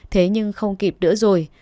thế nhưng không kịp nữa rồi